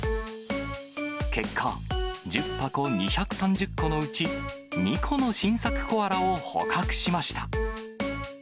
結果、１０箱２３０個のうち、２個の新作コアラを捕獲しました。